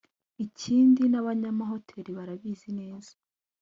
Ikindi n’abanyamahotel barabizi neza